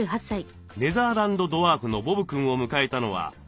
ネザーランドドワーフのボブくんを迎えたのは１か月半前。